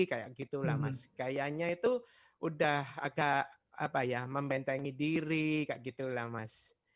kayak gitu lah mas kayaknya itu udah agak apa ya membentengi diri kayak gitu lah mas